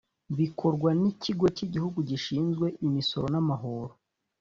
bikorwa n’ikigo cy’igihugu gishinzwe imisoro n’amahoro